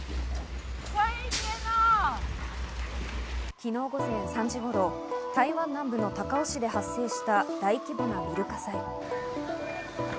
昨日午前３時頃、台湾南部の高雄市で発生した大規模なビル火災。